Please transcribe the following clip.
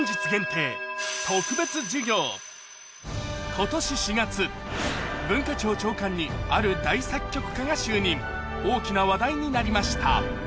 今年４月文化庁長官にある大作曲家が就任大きな話題になりました